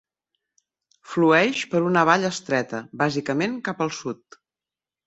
Flueix per una vall estreta, bàsicament cap al sud.